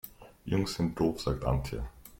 Jungs sind doof, sagt Antje.